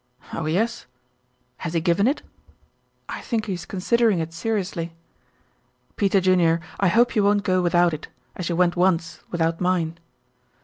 "Oh, yes." "Has he given it?" "I think he is considering it seriously." "Peter Junior, I hope you won't go without it as you went once, without mine."